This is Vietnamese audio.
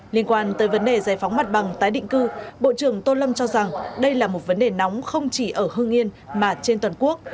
liên quan tới vấn đề giải phóng mặt bằng tái định cư bộ trưởng tô lâm cho rằng đây là một vấn đề nóng không chỉ ở hương yên mà trên toàn quốc